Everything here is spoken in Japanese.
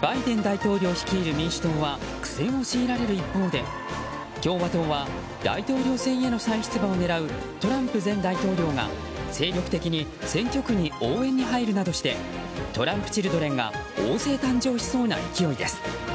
バイデン大統領率いる民主党は苦戦を強いられる一方で共和党は大統領選への再出馬を狙うトランプ前大統領が精力的に選挙区に応援に入るなどしてトランプチルドレンが大勢誕生しそうな勢いです。